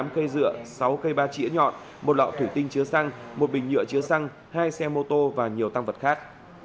tám cây dựa sáu cây ba chỉa nhọn một lọ thủy tinh chứa xăng một bình nhựa chứa xăng hai xe mô tô và nhiều tăng vật khác